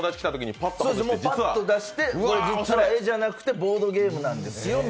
ぱっと出して、実は絵じゃなくてボードゲームなんですよ。